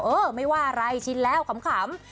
เออไม่ว่าอะไรชินแล้วขำ